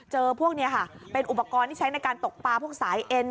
พวกนี้ค่ะเป็นอุปกรณ์ที่ใช้ในการตกปลาพวกสายเอ็น